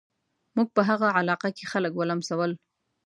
موږ په هغه علاقه کې خلک ولمسول.